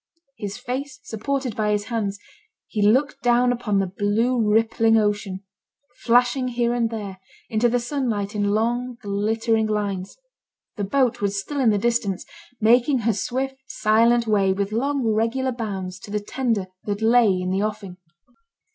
His face supported by his hands, he looked down upon the blue rippling ocean, flashing here and there, into the sunlight in long, glittering lines. The boat was still in the distance, making her swift silent way with long regular bounds to the tender that lay in the offing.